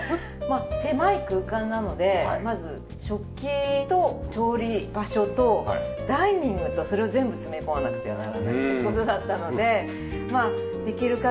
狭い空間なのでまず食器と調理場所とダイニングとそれを全部詰め込まなくてはならないっていう事だったのでできる限り